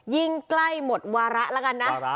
ยิ่งใกล้หมดวาระแล้วกันนะ